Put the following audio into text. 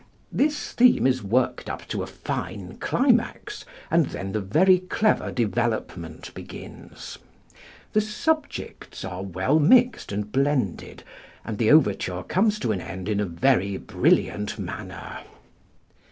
This theme is worked up to a fine climax, and then the very clever development begins. The subjects are well mixed and blended, and the overture comes to an end in a very brilliant manner.